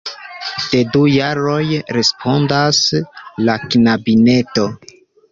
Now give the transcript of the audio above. De du jaroj, respondas la knabineto.